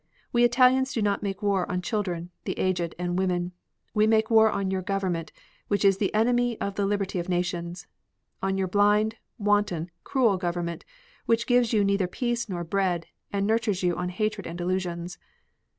We Italians do not make war on children, the aged and women. We make war on your government, which is the enemy of the liberty of nations, on your blind, wanton, cruel government, which gives you neither peace nor bread, and nurtures you on hatred and delusions.